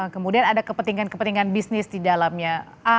kemudian ada kepentingan kepentingan bisnis di dalamnya